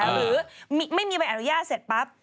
หรือไม่มีใบอนุญาตเสร็จปั๊บ